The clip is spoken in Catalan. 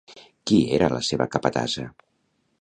Qui era la seva capatassa?